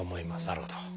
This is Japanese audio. なるほど。